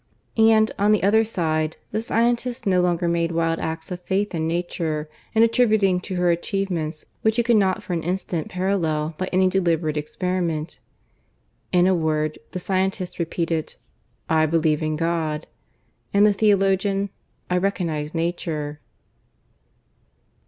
And, on the other side, the scientist no longer made wild acts of faith in nature, in attributing to her achievements which he could not for an instant parallel by any deliberate experiment. In a word, the scientist repeated, "I believe in God "; and the theologian, "I recognize Nature."